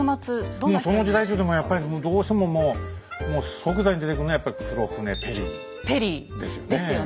うんその時代というとやっぱりもうどうしてももう即座に出てくるのはやっぱ黒船ペリーですよね。